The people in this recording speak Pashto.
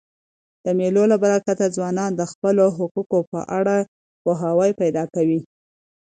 د مېلو له برکته ځوانان د خپلو حقوقو په اړه پوهاوی پیدا کوي.